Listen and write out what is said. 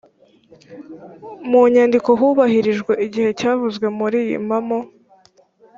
mu nyandiko hubahirijwe igihe cyavuzwe muri iyi mpamo